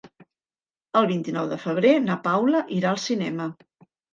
El vint-i-nou de febrer na Paula irà al cinema.